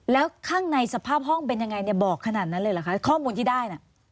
แล้วข้างในสภาพห้องเป็นยังไงเนี่ยบอกขนาดนั้นเลยเหรอคะข้อมูลที่ได้น่ะ